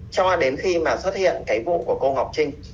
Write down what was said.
cho đến khi mà xuất hiện cái vụ của cô ngọc trinh